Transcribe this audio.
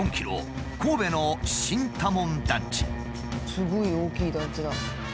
すごい大きい団地だ。